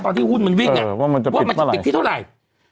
ตอนที่หุ้นมันวิ่งอ่ะเออว่ามันจะปิดเท่าไหร่